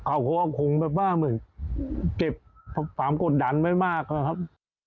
เขาว่าคงแบบบ้างเต็บผลามกฎดันไม่มากนะครับ